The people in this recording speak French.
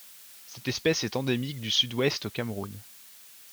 Cette espèce est endémique du Sud-Ouest au Cameroun.